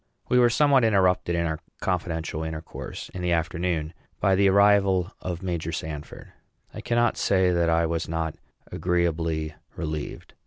We were somewhat interrupted in our confidential intercourse, in the afternoon, by the arrival of Major Sanford. I cannot say that I was not agreeably relieved.